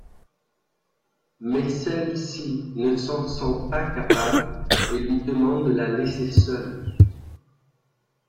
Mais celle-ci ne s'en sent pas capable et lui demande de la laisser seule.